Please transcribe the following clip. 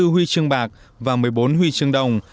hai mươi huy chương bạc và một mươi bốn huy chương đồng